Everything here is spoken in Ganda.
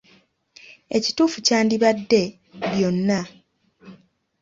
"Ekituufu kyandibadde ""byonna."""